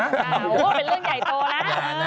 อ้าวเป็นเรื่องใหญ่โตนะ